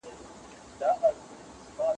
د نوو پلورونکو اړتیاوې باید د تحقیق یوه برخه وي.